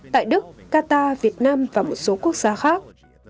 tại đức qatar việt nam và một số quốc gia khác